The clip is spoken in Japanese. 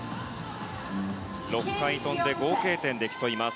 ６回飛んで合計点で競います。